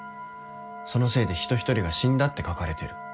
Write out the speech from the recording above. そのせいで人ひとりが死んだって書かれてる。